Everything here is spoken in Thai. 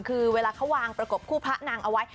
คือเวลาเขาวางประกบคู่พระนางเอาไว้